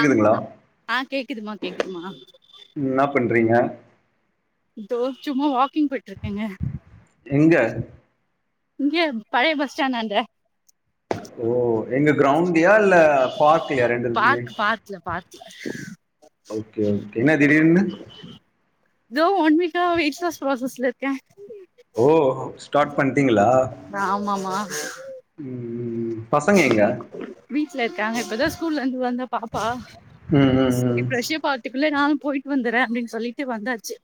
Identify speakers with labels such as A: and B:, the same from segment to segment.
A: ஆ [unintelligible] ஆ கேக்குதுமா கேக்குதுமா
B: என்னா பண்றீங்க
A: இதோ சும்மா வாக்கிங் போயிட்டு இருக்கேங்க
B: எங்க
A: இங்க பழைய பஸ் ஸ்டாண்ட் அன்ட
B: ஓ எங்க கிரௌண்டலயா இல்ல பார்க்லயா ரெண்டுஇருக்குமே
A: இல்ல பார்க்ல
B: ஓகே ஓகே என்னா திடீர்னு
A: தோ ஒன்வீக்கா வெயிட் லாஸ்்ப்ராசஸ்ல இருக்கே
B: ஓ ஸ்டார்ட் பண்டீங்களா
A: ஆமாமா
B: உம் ம் பசங்க எங்க
A: வீட்ல இருக்காங்க இப்பதா ஸ்கூல்ல இருந்து வந்தா பாப்பா
B: உம் ம் ம்
A: இதுக்குள்ள நானு போயிட்டு வந்துறே அப்டின்னு சொல்லிட்டு வந்தாச்சு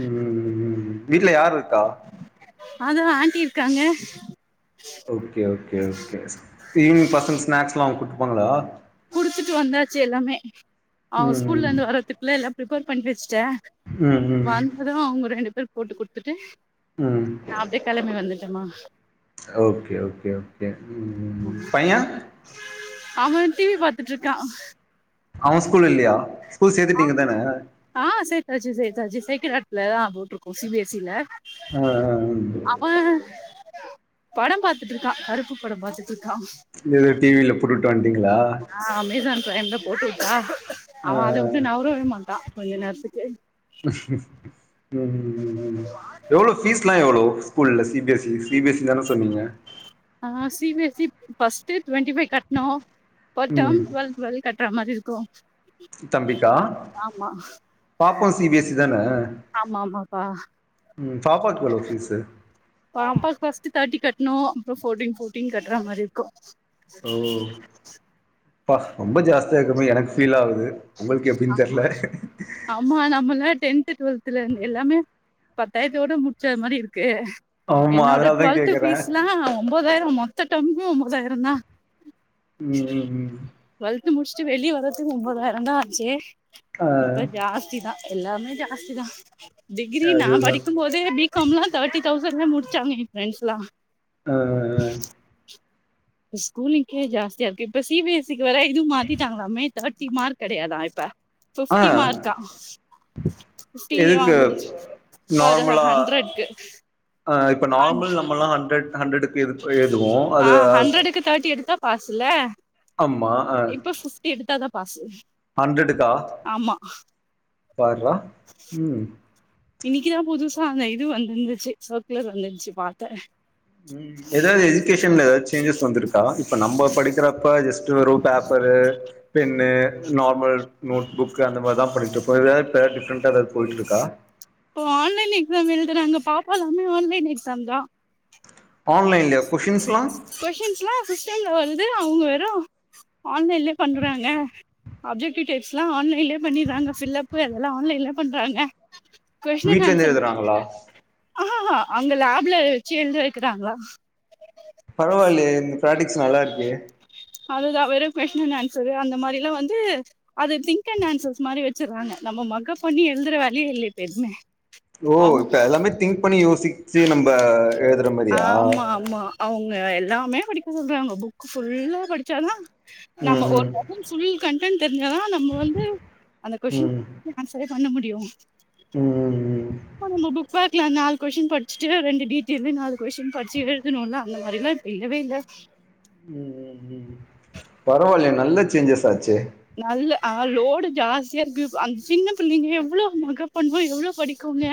B: உம் ம் ம் வீட்ல யாருக்
A: அங்கதா ஆண்டி இருக்காங்க
B: ஓகே ஓகே ஓகே டீவி பசங்க ஸ்நாக்ஸ்லா அவுங்க கூப்ட்டுப்பாங்களா
A: குடுத்துட்டு வந்தாச்சு எல்லாமே அவ ஸ்கூல்ல
B: ம்
A: இருந்து வர்றதுக்குள்ள எல்லா ப்ரிப்பேர் பண்ணி வச்சுட்டே
B: உம் ம்
A: அதா அவங்க ரெண்டு பேர் போட்டு குடுத்துட்டு
B: உம்
A: அப்டி கெழம்பி வந்துட்டேமா
B: ஓகே ஓகே ம் பைய
A: அவே டிவி பாத்துட்டு இருப்பியா
B: அவே ஸ்கூல் இல்லையா ஸ்கூல் சேத்துட்டீங்க தான
A: ஆ சேத்தாச்சு சேத்தாச்சு சேக்கிராட்லதா போட்ருக்கோ சிஎஸ்ஐ ல
B: ஆ ஆ உம்
A: அவே படம் பாத்துட்டு இருக்கா கருப்பு படம் பாத்துட்டு இருக்கா
B: இந்த இது டீவியில புட்டுட்டு வந்ட்டீங்களா
A: ஆ அமேசான் பிரைம் தா போட்டுவிட்டோ
B: ஆ
A: அவே அதவிட்டு நவரவே மாட்டா கொஞ்ச நேரத்துக்கு
B: உம்ம்ம் எவ்ளோ ஃபீஸ்லாம் எவ்ளோ ஸ்கூல்ல சிபிஸ்சி சிபிஸ்சி தான சொன்னீங்க
A: அ சிபிஎஸ்சி ஃபஸ்ட்டு டுவண்டி ஃவைவ் கட்டணோம ஒரு
B: ம்
A: டேம் டுவல் டுவல் ட்ற மாரி இருக்கூ
B: தம்பிக்கா பாப்பா சிபிஎஸ்சி தான
A: ஆமா ஆமாப்பா
B: உம் பாப்பாக்கு எவ்ளவு ஃபீஸ்
A: பாப்பா க்கு ஃபஸ்ட் தேர்ட்டி கட்டணு அப்றோ ஃபோர்டீன் ஃபோர்டீன் கட்டுற மாதிரி இருக்கும்
B: பா ரொம்ப ஜாஸ்தியா இருக்குமே எனக்கு ஃபீல் ஆகுது உங்களுக்கு எப்டின்னு தெரில
A: ஆமா நம்ம எல்லாம் டென்து டுவெல்த்ல இரு எல்லாமே பத்தாயிரத்தோட முடிச்சத மாதிரி இருக்கு
B: ஆமா
A: என்னோட
B: அதனால தா
A: டுவெல்த்
B: கேக்குறே
A: ஃபீஸ்லா ஒன்பதாயிரம் மொத்த டுவெல்த்தூ ஒன்பதாயிரோ தா
B: உம் உம் உம்
A: டுவெல்த் முடிச்சுட்டு வெளிய வர்றதுக்கு ஒன்பதாயிரோ தா ஆச்சு
B: ஆ
A: இப்ப ஜாஸ்தி தா எல்லாமே ஜாஸ்தி தா டிகிரி நா
B: அதுதா
A: படிக்கும்போது பிகாம்லா தேர்டி தௌசண்ட்ல முடிச்சாங்க எ ஃ பிரண்ட்ஸ்லா
B: ஆ ஆ
A: இப்ப ஸ்கூலுக்கே ஜாஸ்தியா இருக்கு இப்ப சிபிஎஸ்சிக்கு வேற இதுவு மாத்திட்டாங்ளாமே தேர்டி மார்க் கெடையாதா இப்ப
B: ஆ ஆ
A: பிஃப்டி மார்க்கா பிஃபட்டி
B: எதுக்கு
A: வாங்கிடுச்சு ஃப்பார்
B: நார்மலா
A: ஹண்ட்ரடுக்கு
B: ஆ இப்போ நார்மல் நம்மல்லா ஹண்ட்ரட் ஹண்ட்ரக்கு எது எழுவோ
A: ஆ
B: அது
A: ஹண்ட்ரடுக்கு தேர்ட்டி எடுத்தா பாசுல
B: ஆமா ஆ
A: இப்ப ஃபிப்டி எடுத்தாதா பாசு ஆமா
B: பார்ரா ம்
A: இன்னைக்குதா புதுசா அந்த இது வந்துந்துச்சு சர்க்குலர் வந்துந்துச்சு பாத்தே
B: ம் ஏதாவது எஜுகேஷன்ல எதாச்சு சேஞ்சஸ் வந்துருக் க இப்ப நம்ம படிக்கிறப்ப ஜஸ்ட் ஒரு paper pen normal notebook அந்த மாரிதா பண்ணிட்டு இருப்போ எதாவது இப்ப டிஃப்ரெண்டா எதாவது போயிட்டு இருக்கா
A: இப்போ ஆன்லைன் எக்ஸாம் எழுதுறாங்க பாப்பா எல்லாமே ஆன்லைன் எக்ஸாம் தா
B: ஆன்லைன்லையா கொஷின்ஸ்லா
A: கொஷின்ஸ்லா சிஸ்டம்ல வருது அவங்க வெறு ஆன்லைன்லயே பண்றாங்க ஆப்ஜெக்டிவ் டைப்ஸ்லா ஆன்லைன்லே பண்ணிறாங்க ஃபில் அப்பு அதெல்லா ஆன்லைனலே பண்றாங்க
B: வீடல இருந்து எழுதுறாங்களா
A: ஆஹஹா அங்க லேப்ல வெச்சு எழுத வெக்கிறாங்க
B: பரவாயில்லயே இந்த ப்ராடக்ட்ஸ் நல்லா இருக்கே
A: அதுதா வெறு கொஷ்டி அண்ட் ஆன்சரு அந்த மாரி எல்லா வந்து அது திங்க் அண்ட் ஆன்சர்ஸ் மாரி வச்சறாங்க நம்ம மக்கப் பண்ணி எழுதுற வேலையே இல்ல இப்ப எதுமே
B: ஓ
A: அவங்க
B: இப்ப எல்லாமே திங்க் பண்ணி யோசிச்சு நம்ம எழுதுற மாரியா
A: ஆமா ஆமா அவங்க எல்லாமே படிக்க சொல்றாங்க புக் ஃபுல்லா படிச்சாதா நம்ம
B: ம்
A: ஒரு ம் ஃபுல் கண்டன்ட் தெரிஞ்ச தா நம்ம வந்து அந்த
B: ம் ம்
A: கொஷிடின் ஆன்சரே பண்ண முடியு
B: ம் ம்
A: இப்ப நம்ம புக் பேக்ல நால கொஸின் படிச்சுட்டு ரெண்டு டீடெயலு நாலு கொஸ்டின் படிச்சு எழுதணுல அந்த மாதிரிலா இல்லவே இல்ல
B: ம் ம் ம் பரவாயில்லைய நல்ல சேஞ்சஸ் ஆச்சே
A: நல்ல ஆ லோடு ஜாஸ்தியா இருக்கு அந்த சின்ன பிள்ளைங்க எவ்வளோ மகப் பண்ணுவோ எவ்வளோ படிக்குங்க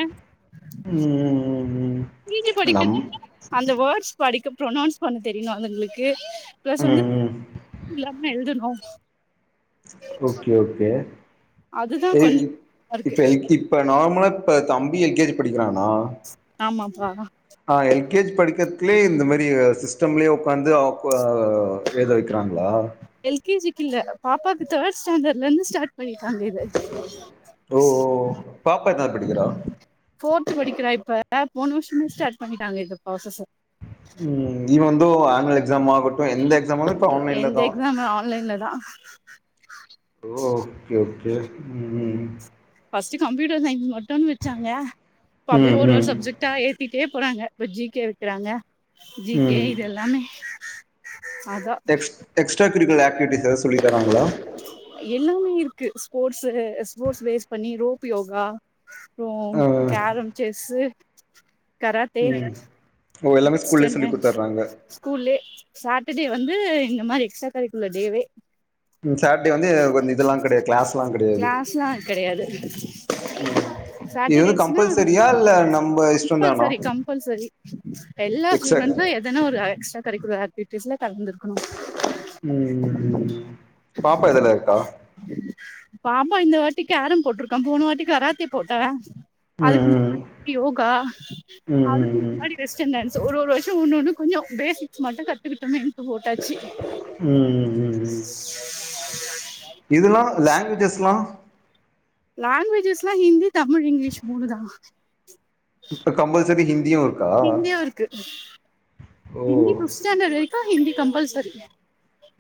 B: ம் ம் ம் ம்
A: கே ஜி படிக்க
B: நம்
A: அந்த வேர்ட்ஸ் படிக்க ப்ரொனௌன்ஸ் பண்ண தெரியணு அதுங்களுக்கு பிளஸ் வந்து
B: ம் ம்
A: இல்லாம எழுதணு
B: ஓகே ஓகே
A: அதுதா
B: எது
A: கொஞ்ச இதா இருக்கு
B: இப்போ எல் கி இப்போ நார்மலா இப்போ தம்பி எல் கே ஜி படிக்கிறான்னா
A: ஆமாப்பா
B: ஆ எல் கே ஜி படிக்றத்திலே இந்த மாரி சிஸ்டம்லேயே உக்காந்து அ குவா எழுத வைக்கிறாங்களா
A: எல் கே ஜி கில்ல பாப்பாக்கு தேர்ட் ஸ்டாண்டட்ல இருந்து ஸ்டார்ட் பண்ணிருக்காங்க இத
B: ஓ ஓ பாப்பா எதனாது படிக்கிறா
A: போர்து படிக்கிறா இப்ப போணு வருஷசோ ஸ்டார்ட் பண்ணிட்டாங்க இந்த ப்ராசஸ்
B: ம் இனி வந்து ஆனுவல் எக்ஸாமாகட்டு எந்த எக்ஸாமானாலு இப்ப ஆன்லைன்ல தா
A: ஆமா ஆன்லைன்ல தா
B: ஓ ஓகே ஓகே ம்
A: பஸ்ட்டு கம்ப்யூட்டர் சயின்ஸ் மட்டுன்னு வச்சாங்க இப்ப அப்டியே
B: ம்
A: ஒரு ஒரு
B: ம்
A: சப்ஜெக்ட் டா ஏத்திட்டே போறாங்க இப்ப ஜி கே வக்றாங்க ஜி
B: ம்
A: கே
B: ம்
A: இது எல்லாமே அதா
B: எக்ஸ் எக்ஸ்ரா கரிக்குலர் ஆக்டிவிட்டிஸ் எதா சொல்லித்தறாங்களா
A: எல்லாமே இருக்கு ஸ்போட்ஸ் ஸ்போட்ஸ் பேஸ் பண்ணி ரோப் யோகா அப்றோ
B: ஆ
A: கேரம் செஸ்சு கராத்தே
B: ம் ஓ எல்லாமே ஸ்கூல்லே சொல்லி
A: ஸ்டென்னு
B: குடுத்தர்றாங்க
A: ஸ்கூல்லே சாட்டர்டே வந்து இந்த மாதிரி எக்ஸ்ட்ரா கரிக்குலர் டேவே
B: ம் சட்டே வந்து கொஞ்ச இதெல்லா கெடையாது கிளாஸ்லா கெடையாது
A: கிளாஸ்லா
B: ம் இது வந்து
A: சாட்டடேஸ்னா
B: கம்பல்சரியா இல்ல நம்ம இஷ்டந்தானா
A: கம்பல்செரி கம்பல்செரி எல்லா
B: எக்ஸ்ட்ரா
A: ஸ்டுடெண்டு எ இதனா ஒரு எக்ஸ்ரா கரிக்குலர் ஆக்டிவிட்டிஸ்ல கலந்து இருக்கணு
B: ம் ம் ம் ம் ம் ம் பாப்பா எதுலா இருக்கா
A: பாப்பா இந்த வாட்டி கேரம் போட்டிருக்கா போன வாட்டி கராத்தே போட்டா அதுக்கு முன்
B: ம்
A: யோகா
B: ம் ம் ம்
A: அதுக்கு
B: ம்
A: முன்னாடி வெஸ்டன் டான்ஸ் ஒரு ஒரு வர்ஷோ ஒன்னொ ஒன்னு கொஞ்சோ பேசிக்ஸ் மட்டு கத்துக்கிட்டமே போட்டாச்சி
B: ம் ம் இதுல்லா லாங்குவேஜஸ்ல்லா
A: லாங்குவேஜஸ்ல்லா ஹிந்தி தமிழ் இங்கிலீஷ் மூணுதா
B: இப்ப கம்பல்செரி ஹிந்தியு இருக்கா
A: ஹிந்தியு இருக்கு
B: ஓ
A: ஃப்த் ஸ்டாண்டட்வரைக்கு ஹந்தி கம்பல் செரி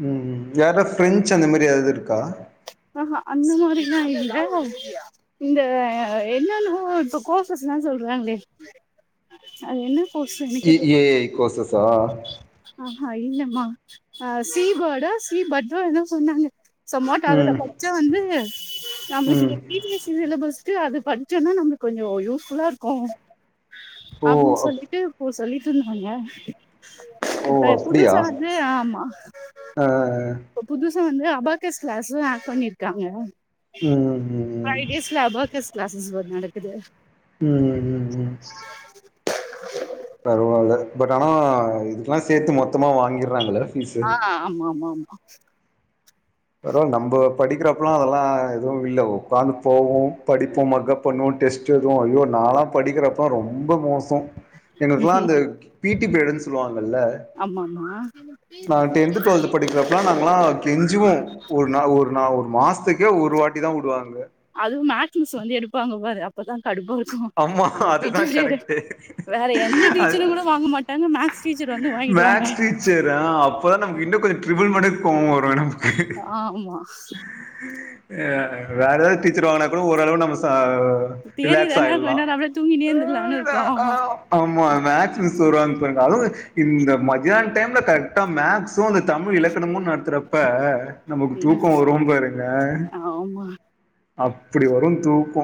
B: ம் ம் வேயாராவது ஃப்ரெஞ்சு அந்த மாதிரி எதாவது இருக்கா
A: ஆஹ அந்த மாதரில்ல இல்ல இந்த என்னென்னவோ இப்ப கோர்ஸ்சஸ்ல சொல்றாங்களே அது என்ன கோர்ஸ் எனக்கே
B: இ ஏ கோசஸ்சா
A: ஆஹ இல்லம்மா ஆ சீ பேர்ட்டா சி பத்தோ ஏதோ சொன்னாங்க சம்மோட் அதுல
B: ம்
A: பச்ச வந்து நம்ம
B: ம்
A: [unintelligible] இ ஜி எஸ் சிலபஸ்க்கு அது படிச்சோனா நமக்கு கொஞ்சோ யூஸ் ஃபுல்லா இருக்கு
B: ஓ
A: அப்டினு
B: அப்
A: சொல்லிட்டு போ சொல்லிட்டு இருந்தாங்க
B: ஓ
A: இப்ப
B: அப்டியா
A: புதுசா வந்து ஆமா
B: ஆ
A: இப்ப புதுசா வந்து அபாக்கஸ் கிளாஸ்சு ஆட் பண்ணிருக்காங்க
B: ம் ம்
A: ஃபை
B: ம்
A: டேஸ்ல அபாகஸ் கிளாஸஸ் வேற நடக்குது
B: ம் ம் ம் பரவால பட் ஆனா இதுகெல்லா சேத்து மொத்தமா வாங்கிற்றாங்கள
A: ஆ ஆமா ஆமா ஆமா
B: பரவா நம்ப படிக்கிறப்பல்லா அதெல்லா எதுவு இல்ல உட்காந்து போவோ படிப்போ மக்கப் பண்ணுவோ டெஸ்ட் எழுதுவோ ஐயோ நாளா படிக்கிறப்பலா ரொம்ப மோசோ எங்களுக்கலா அந்த பீட்டீ பீரியடுனு சொல்லுவாங்ள
A: ஆமா ஆமா
B: ப்லா நாங்களா கெஞ்சுவோ ஒரு நா ஒரு நா ஒரு மாசத்துக்கே ஒரு வாட்டி தா உடுவாங்க
A: அதுவு மேக்ஸ் மிஸ் வந்து எடுப்பாங்க பாரு அப்பதா கடுப்பா இருக்கும
B: ஆமா அதுதான்
A: அந்த
B: கரெக்ட்டு
A: [unintelligible] வேற எந்த
B: அது
A: டீச்சரு கூட வாங்க மாட் தாங்க மேக்ஸ் டீச்சர் வந்து வாங்கிடுவ
B: மேக்ஸ் டீச்சர் ஆ அப்பதா நம்க்கு இன்னு கொஞ்ச ட்ரிபிள் மடக்கு கோவ வரு நமக்
A: ஆமா
B: ஆ வேற ஏதாவது டீச்சர் வாங்கினா கூட ஓரளவு நம்ம ச ரிலாக்ஸ்
A: தியரிதானே
B: ஆயிட்லா
A: கொஞ்ச நேரோ அப்டியே தூங்கினே இருந்துலான்னு இருக்கு
B: ஆமா மேக் மிஸ் வருவாங்க அதுவு இந்த மத்தான டைம்ல கரெக்டா மேக்ஸ் சோ அந்த தமிழ் இலக்கணமு நட இருக்கறப்ப நமக்கு தூக்கோ
A: இருக்கு
B: வரு பாருங்க
A: ஆமா
B: அப்டி வரு தூக்கோ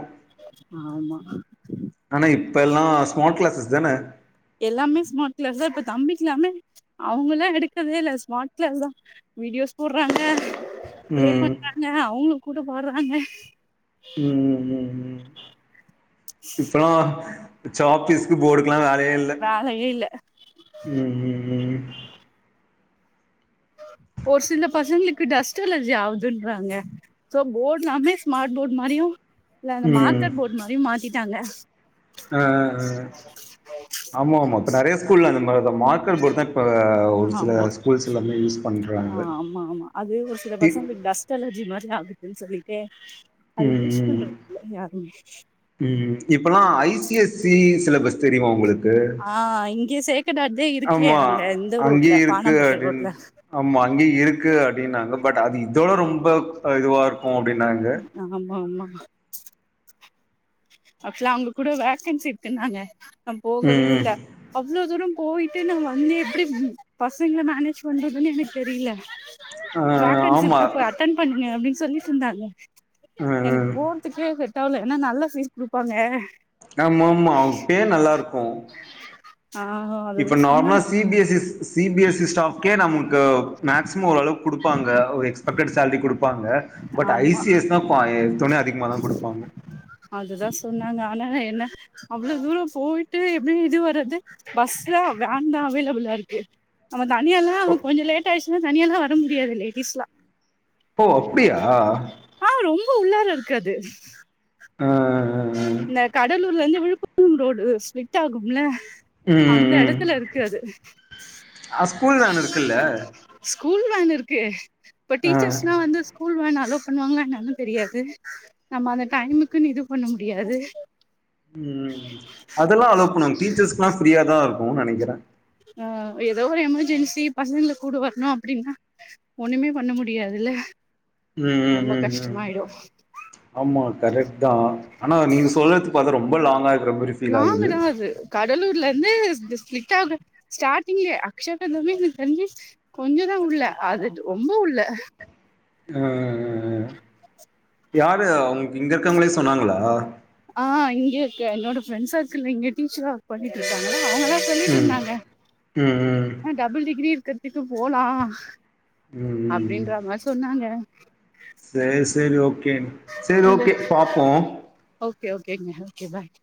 A: ஆமா
B: ஆனா இப்பல்லா ஸ்மார்ட் கிளாஸஸ் தானே
A: எல்லாமே ஸ்மார்ட் கிளாஸ் தா இப்ப தம்பிக்கல்லாமே அவங்கல்லா எடுக்கரதே இல்ல ஸ்மார்ட் கிளாஸ் தா வீடியோஸ் போடுறாங்க பிளே
B: ம்
A: பண்றாங்க அவங்களு கூட பாடுறாங்க
B: உம் உம் உம் உம் அப்பறோ சாப்பிஸ்கு போர்டுகுல்லா வேலயே இல்
A: வேலயே இல்ல
B: உம் உம் உம்
A: ஒரு சில பசங்களுக்கு டஸ்ட் அலர்ஜி ஆகுதுன்றாங்க சோ போர்ட் எல்லாமே ஸ்மார்ட் போர்ட் மாரியு இல்ல அந்த
B: ம் ம்
A: மார்க்கர் போர்ட் மாரியு மாத்திட்டாங்க
B: ஆ ஆ ஆ ஆமா ஆமா இப்ப நிறைய ஸ்கூல்ல அந்த மாரி தா மார்க்கர் போடுத்தா
A: ஆமா
B: பண்றாங்க
A: ஆமா ஆமா அது ஒரு சில
B: இ
A: பசங்களுக் டஸ்ட் டஸ்ட் அலர்ஜி மாரி ஆகுதுன்னு சொல்லிட்டு அது
B: ம்
A: யூஸ்
B: ம்
A: பண்றதுல்ல யாருமே
B: ம் இப்பல்லா ஐசிஎஸ்சி சிலபஸ் தெரியுமா உங்களுக்கு
A: ஆஹ் இங்கே சேக்கட்டாட்தே இருக்கே
B: ஆமா
A: அங்க இந்த ரோட்ல
B: அங்கயே இருக்கு
A: பானம்பட்டு
B: அப்டின்
A: ரோட்ல
B: ஆமா அங்கேயே இருக்கு அப்படின்னாங்க பட் அது இதோட ரொம்ப இதுவா இருக்கு அப்டின்னாங்க
A: ஆமா ஆமா அப்பல்லா அங்க கூட வேக்கன்சி இருக்குன்னாங்க நா போகவே
B: ம்
A: இல்ல
B: ம்
A: அவ்வளோ தூரம் போயிட்டு நம்ம அங்கயே எப்டி பசங்கள மேனேஜ் பண்றதுன்னு எனக்கு தெரியல
B: ஆ
A: வேகன்சி
B: ஆமா
A: இருக்கு போய் அட்டன் பண்ணுங்க அப்படின்னு சொல்லி சொன்னாங்க
B: ம்
A: எனக்கு
B: ம்
A: போ த்துக்கே செட்டால ஏன்னா நல்ல ஃபீஸ் குடுப்பாங்க
B: ஆமா ஆமா அவுங்க பேரு நல்லா இருக்கு
A: ஆமா
B: இப்போ நார்மலா சிபி. எஸ். ஸி சிபிஎஸ்இ ஸ்டாப்கே நம்மக்கு மேக்சிமம் ஓரளவுக்கு கொடுப்பாங்க ஒரு எக்ஸ்பெக்டட் சேலரி கொடுப்பாங்க பட்
A: ஆமா
B: ஐசிஎஸ் தா பா எடுத்தோனே அதிகமா தா கொடுப்பாங்க
A: அதுதா சொன்னாங்க ஆனா என்ன அவ்வளவு தூரோ போயிட்டு எப்டி இது வர்றது பஸ் தா வேன் தா அவைலபிளா இருக்கு நம்ம தனியா ல்லா அவ கொஞ்சோ லேட்டா ஆயிச்சுன்னா தனியா ல்லா வரமுடியாது லேடிஸ்லா
B: ஓ அப்டியா
A: ஆஹ் ரொம்ப உள்ளார இருக்கு அது
B: ஆஹ்
A: இந்த கடலூர்ல இருந்து விழுப்புரம் ரோடு ஸ்ப்ளிட் ஆகும்ல
B: ம்
A: அந்த
B: ம்
A: இடத்துல இருக்கு அது
B: அ ஸ்கூல் வேன் இருக்குல்ல
A: ஸ்கூல் வேன் இருக்கு இப்ப
B: ஆ
A: டீச்சர்ஸ்னா வந்து ஸ்கூல் வேன் அளோ பண்ணுவாங்க என்னானு தெரியாது நம்ம அந்த டைமுக்குன்னு இது பண்ண முடியாது
B: ம் ம் ம் அதெல்லா அளோ பண்ணுவாங்க டீச்சர்ஸ்குல்லா ஃப்ரியா தா இருக்கும்னு நினைக்கிறே
A: ஆஹ் ஏதோ ஒரு எமர்ஜென்சி பசங்கல கூட வரணு அப்டின்னா ஒண்ணுமே பண்ண முடியாதுல்ல
B: உம் உம்
A: ரொம்ப
B: உம் உம்
A: கஷ்டமாயிடு
B: ஆமா கரெக்ட் தா ஆனா நீங்க சொல்றது பாத்தா ரொம்ப லாங்கா இருக்குற மாரி ஃபீல் ஆகுது
A: லாங்குதா அது கடலூர்லருந்து இது ஸ்ப்ளிட் ஆகு ஸ்டாட்டிங்லயே [unintelligible] கொஞ்சதா உள்ள அது ரொம்ப உள்ள
B: ஆ ஆ ஆ யாரு உங்ளுக் இங்க இருக்கவ்ங்களே சொன்னாங்களா
A: அ இங்க இருக்க என்னோட ஃப்ரெண்ட் சர்க்கிள்ல இங்க டீச்சரா ஒர்க் பண்ணிட்ருக்காங்கள அவுங்கதா
B: ம்
A: சொல்லிட்ருந்தாங்க
B: ம் ம்
A: ஆ டபுள் டிகிரி இருக்கறதுக்கு போலா
B: ம் ம் ம்
A: அப்டின்றமாரி சொன்னாங்க
B: சேரி சேரி ஓகே சேரி
A: இங்க
B: ஓகே பாப்போ
A: ஓகே ஓகேங்க ஓகே பாய்